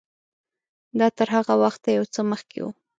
دا تر هغه وخته یو څه مخکې و.